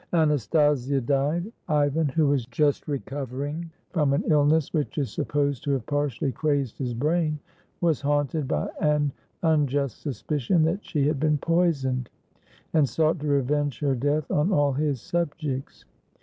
Anastasia died. Ivan, who was just recovering from an illness which is supposed to have partially crazed his brain, was haunted by an unjust suspicion that she had been poisoned, and sought to revenge her death on all his subjects.